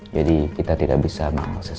jadi kita tidak bisa mengakses